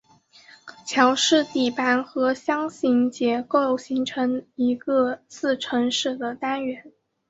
桥式底盘和箱形结构形成一个自承式的单元。